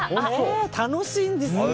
楽しいんですよ。